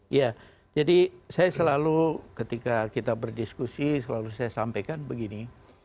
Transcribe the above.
iya jadi saya selalu ketika kita berdiskusi selalu saya sampaikan begini